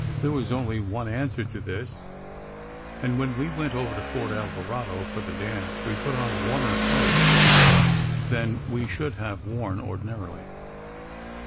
There was only one answer to this, and when we went over to Fort Alvarado for the dance we put on warmer cloaks than we should have worn ordinarily.